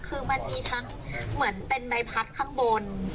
คือมันมีทั้งเหมือนเป็นใบพัดข้างบน